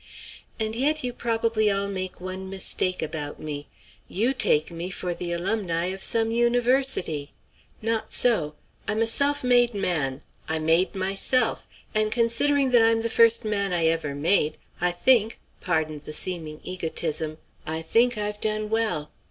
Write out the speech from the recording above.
And yet you probably all make one mistake about me: you take me for the alumni of some university. Not so. I'm a self made man. I made myself; and considering that I'm the first man I ever made, I think pardon the seeming egotism I think I've done well.